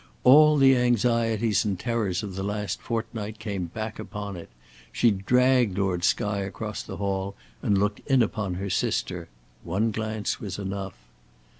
All the anxieties and terrors of the last fortnight, came back upon it. She dragged Lord Skye across the hall and looked in upon her sister. One glance was enough.